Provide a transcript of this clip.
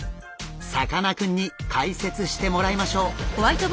さかなクンに解説してもらいましょう。